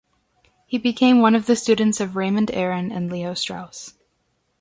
He became one of the students of Raymond Aron and Leo Strauss.